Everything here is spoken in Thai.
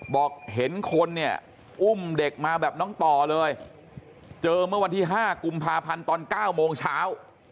บอกเห็นคนเนี่ยอุ้มเด็กมาแบบน้องต่อเลยเจอเมื่อวันที่๕กุมภาพันธ์ตอน๙โมงเช้า